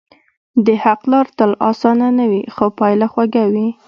د حق لار تل آسانه نه وي، خو پایله خوږه وي.